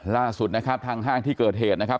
ล่าสุดนะครับทางห้างที่เกิดเหตุนะครับ